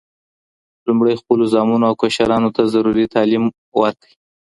لومړی خپلو زامنو او کشرانو ته ضروري تعليم ورکړئ